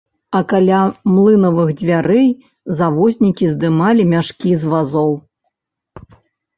А каля млынавых дзвярэй завознікі здымалі мяшкі з вазоў.